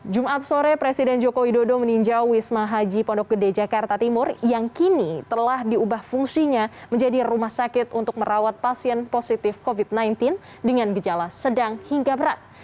jumat sore presiden joko widodo meninjau wisma haji pondok gede jakarta timur yang kini telah diubah fungsinya menjadi rumah sakit untuk merawat pasien positif covid sembilan belas dengan gejala sedang hingga berat